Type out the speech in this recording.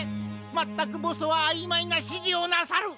まったくボスはあいまいなしじをなさる！